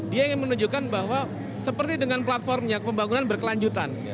dia ingin menunjukkan bahwa seperti dengan platformnya pembangunan berkelanjutan